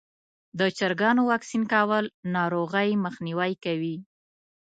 د چرګانو واکسین کول ناروغۍ مخنیوی کوي.